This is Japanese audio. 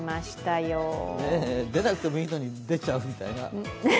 出なくてもいいのに出ちゃうみたいな。